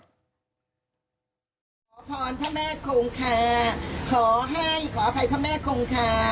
ขอพรพระแม่คงคาขอให้ขออภัยพระแม่คงคา